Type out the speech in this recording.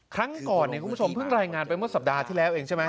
ครั้งก่อนเนี่ยคุณผู้ชมเพิ่งรายงานไปเมื่อสัปดาห์ที่แล้วเองใช่ไหม